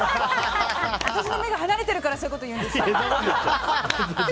私の目が離れてるからそういうこと言うんですか！